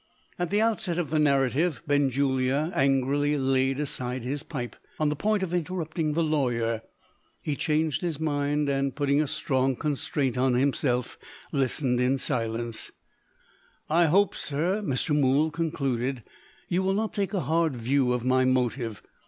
At the outset of the narrative, Benjulia angrily laid aside his pipe, on the point of interrupting the lawyer. He changed his mind; and, putting a strong constraint on himself, listened in silence. "I hope, sir," Mr. Mool concluded, "you will not take a hard view of my motive.